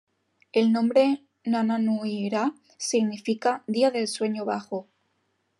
El nombre "Nananu-i-Ra" significa "Día del Sueño bajo".